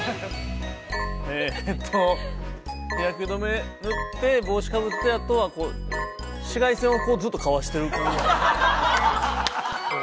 ◆ええっと、日焼け止め塗って、帽子かぶってあとは、紫外線をずっとかわしてる。